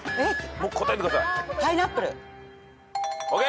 もう答えてください。ＯＫ！